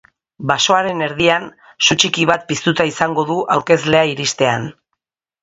Basoaren erdian su txiki bat piztuta izango du aurkezlea iristean.